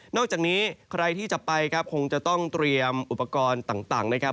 อกจากนี้ใครที่จะไปครับคงจะต้องเตรียมอุปกรณ์ต่างนะครับ